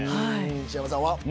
西山さんは？